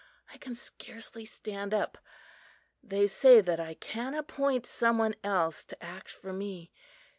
I can scarcely stand up. They say that I can appoint some one else to act for me.